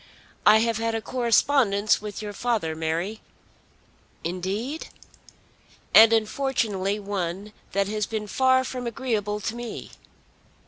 "I have had a correspondence with your father, Mary." "Indeed." "And unfortunately one that has been far from agreeable to me."